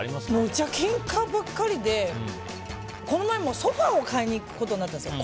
うちはけんかばっかりでこの前もソファを買いに行くことになったんですよ